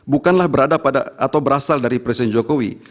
bukanlah berasal dari presiden jokowi